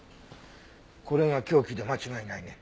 これが凶器で間違いないね。